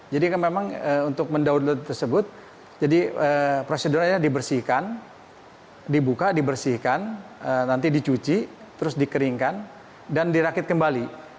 jadi memang untuk mendownload tersebut jadi prosedurnya dibersihkan dibuka dibersihkan nanti dicuci terus dikeringkan dan dirakit kembali